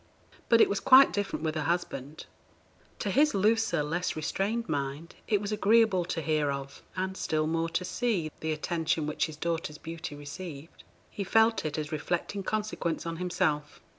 But it was quite different with her husband. To his looser, less restrained mind, it was agreeable to hear of, and still more to see, the attention which his daughter's beauty received. He felt it as reflecting consequence on himself.